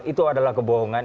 itu adalah kebohongan